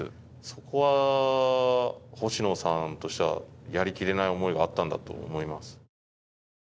そこは星野さんとしては、やりきれない思いがあったんだと思います。